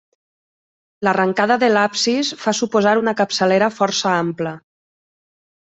L'arrencada de l'absis fa suposar una capçalera força ampla.